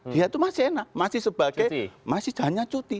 dia itu masih enak masih sebagai masih hanya cuti